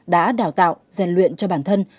đã đào tạo gian luyện cho bản thân